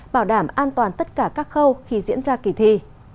bảo đảm an toàn tất cả các khâu khi diễn ra kỳ thi